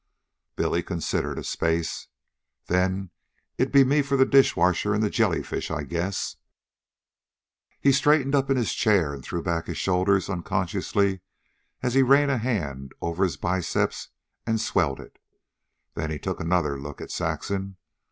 Billy considered a space. "Then it'd be me for the dishwater an' the jellyfish, I guess." He straightened up in his chair and threw back his shoulders unconsciously as he ran a hand over his biceps and swelled it. Then he took another look at Saxon.